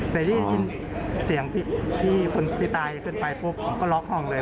ในที่เสียงที่คนที่ตายขึ้นไปปุ๊บผมก็ล็อกห้องเลย